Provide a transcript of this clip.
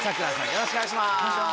よろしくお願いします。